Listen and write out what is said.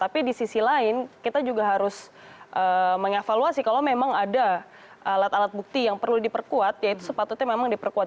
tapi di sisi lain kita juga harus mengevaluasi kalau memang ada alat alat bukti yang perlu diperkuat yaitu sepatutnya memang diperkuat